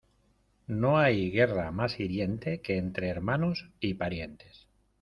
No hay guerra más hiriente que entre hermanos y parientes.